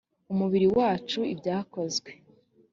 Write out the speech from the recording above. umubiri wacu ibyakozwe